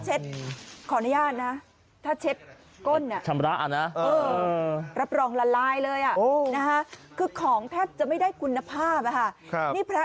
เออถ้าเช็ดขออนุญาตนะ